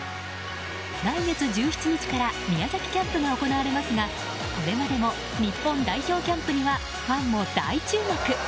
来月１７日から宮崎キャンプが行われますがこれまでも日本代表キャンプにはファンも大注目。